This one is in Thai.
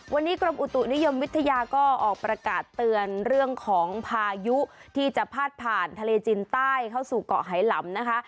วันนี้กรมอุตุนิยมวิทยาก็ออกประกาศเตือนเรื่องของพายุที่จะพาดผ่านทะเลจินใต้เข้าสู่เกาะไหลำนะคะ